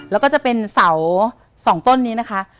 แล้วก็จะเป็นเสา๒ต้นนี้นะคะ